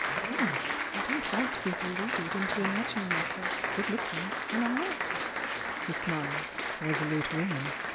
"Well! I don't want to be deluded into imagming myself good looking when I'm not." He smiled. "Resolute woman!